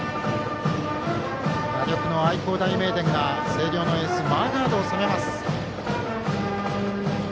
打力の愛工大名電が星稜のエースマーガードを攻めます。